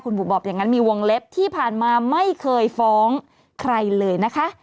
บุ๋บอกอย่างนั้นมีวงเล็บที่ผ่านมาไม่เคยฟ้องใครเลยนะคะ